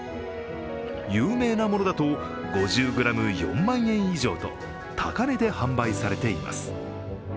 有名なものだと、５０ｇ４万円以上と高値で販売されています。